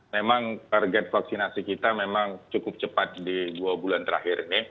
memang target vaksinasi kita memang cukup cepat di dua bulan terakhir ini